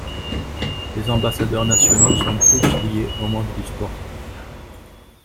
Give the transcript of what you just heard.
Les ambassadeurs nationaux sont tous liés au monde du sport.